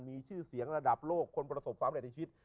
มีชื่อเสียงระดับโลกคนประสบความเร็ดในชีวิต